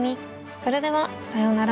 それではさようなら！